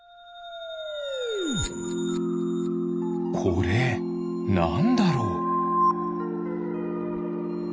これなんだろう。